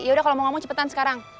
yaudah kalau mau ngomong cepetan sekarang